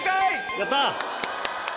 やった！